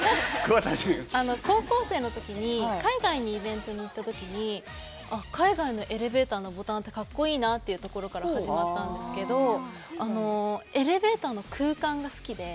高校生の時に海外にイベントに行ったときに海外のエレベーターのボタンってかっこいいなっていうところから始まったんですけどエレベーターの空間が好きで。